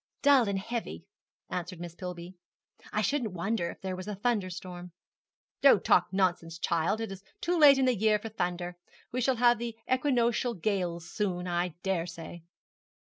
'Dull and heavy,' answered Miss Pillby; 'I shouldn't wonder if there was a thunderstorm.' 'Don't talk nonsense, child; it's too late in the year for thunder. We shall have the equinoctial gales soon, I dare say.'